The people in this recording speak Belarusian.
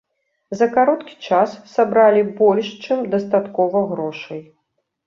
За кароткі час сабралі больш чым дастаткова грошай.